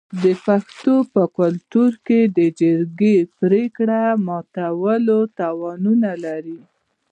د پښتنو په کلتور کې د جرګې پریکړه ماتول تاوان لري.